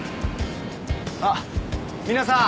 あっ皆さん